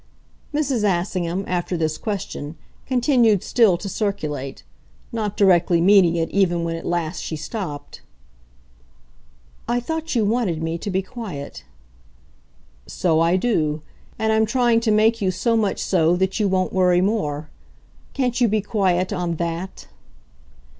Mrs. Assingham, after this question, continued still to circulate not directly meeting it even when at last she stopped. "I thought you wanted me to be quiet." "So I do and I'm trying to make you so much so that you won't worry more. Can't you be quiet on THAT?"